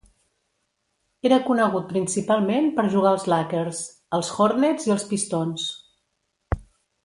Era conegut principalment per jugar als Lakers, als Hornets i als Pistons.